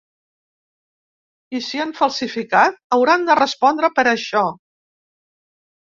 I si han falsificat, hauran de respondre per això.